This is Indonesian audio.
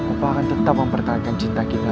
apa akan tetap mempertahankan cinta kita